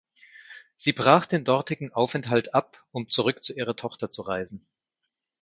Sie brach den dortigen Aufenthalt ab, um zurück zu ihrer Tochter zu reisen.